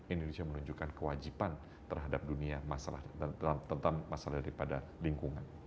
indonesia menunjukkan kewajiban terhadap dunia tentang masalah daripada lingkungan